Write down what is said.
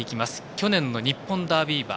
去年の日本ダービー馬。